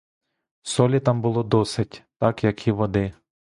Солі там було досить, так як і води.